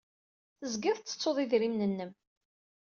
Tezgiḍ tettettuḍ idrimen-nnem.